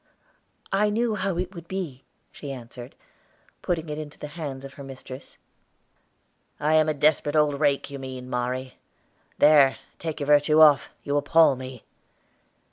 "I knew how it would be," she answered, putting it into the hands of her mistress. "I am a desperate old rake, you mean, Mari. There, take your virtue off, you appall me."